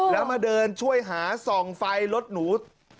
แล้วมาเดินช่วยหาส่องไฟรถหนู